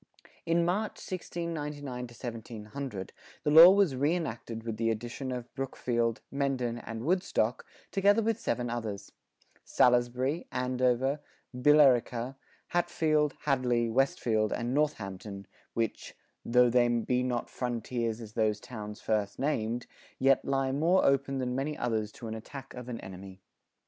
In March, 1699 1700, the law was reënacted with the addition of Brookfield, Mendon, and Woodstock, together with seven others, Salisbury, Andover,[42:3] Billerica, Hatfield, Hadley, Westfield, and Northampton, which, "tho' they be not frontiers as those towns first named, yet lye more open than many others to an attack of an Enemy."